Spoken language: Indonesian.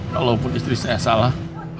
kalaupun istri saya salah